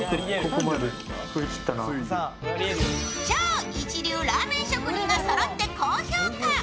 超一流ラーメン職人がそろって高評価。